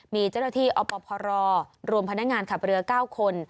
มีเจ้าหน้าที่อพรรวมพนักงานขับเรือ๙คน